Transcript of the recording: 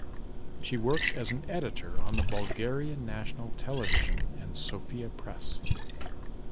She worked as an editor on the Bulgarian National Television and Sofia Press.